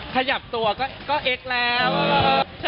ถ้าชอบถ้าเลิฟก็